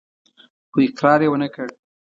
خو اقرار يې ونه کړ.